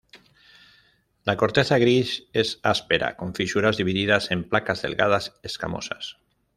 La corteza gris es áspera con fisuras divididas en placas delgadas escamosas.